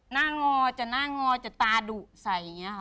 งอจะหน้างอจะตาดุใส่อย่างนี้ค่ะ